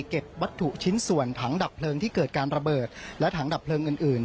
เก็บวัตถุชิ้นส่วนถังดับเพลิงที่เกิดการระเบิดและถังดับเพลิงอื่นอื่น